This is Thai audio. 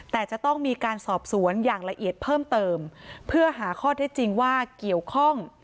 แต่จะต้องมีการสอบสวนอย่างละเอียดเพิ่มเติมเพื่อหาข้อเท็จจริงว่าเกี่ยวข้อง